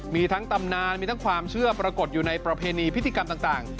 มีทั้งตำนานมีทั้งความเชื่อปรากฏอยู่ในประเพณีพิธีกรรมต่าง